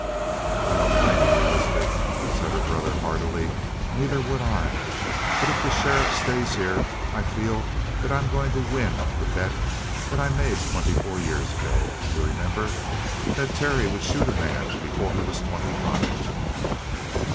"I don't blame you, Elizabeth," said her brother heartily. "Neither would I. But if the sheriff stays here, I feel that I'm going to win the bet that I made twenty four years ago. You remember? That Terry would shoot a man before he was twenty five?"